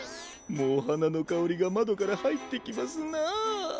もうはなのかおりがまどからはいってきますな。